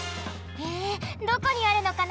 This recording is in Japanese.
へえどこにあるのかな？